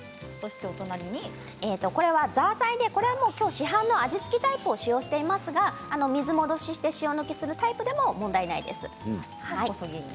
これはザーサイで市販の味付けタイプを使用していますが水で戻すタイプでも問題ないです。